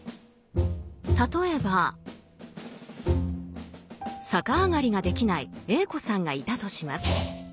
例えば逆上がりができないＡ子さんがいたとします。